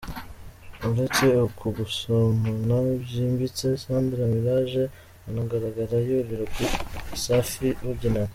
Uretse uku gusomana byimbitse Sandra Miraj anagaragara yurira kuri Safi babyinana.